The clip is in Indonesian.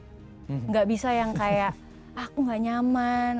tidak bisa yang kayak aku gak nyaman